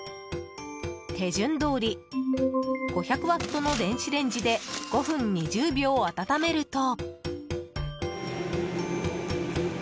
手順どおり５００ワットの電子レンジで５分２０秒温めると。